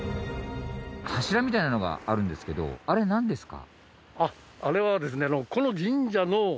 柱みたいなのがあるんですけどあれなんですか？